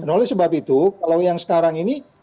oleh sebab itu kalau yang sekarang ini